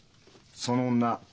その女